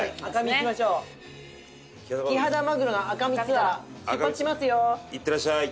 行ってらっしゃい。